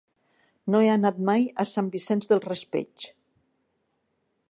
No he anat mai a Sant Vicent del Raspeig.